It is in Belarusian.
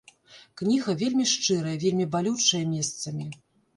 Кніга вельмі шчырая, вельмі балючая месцамі.